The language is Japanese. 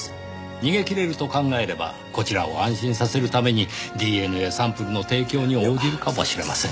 逃げ切れると考えればこちらを安心させるためにＤＮＡサンプルの提供に応じるかもしれません。